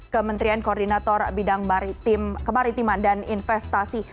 kementerian koordinator bidang kemaritiman dan investasi